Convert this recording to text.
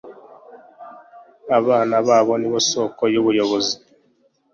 abana babo nibosoko yubuyobozi.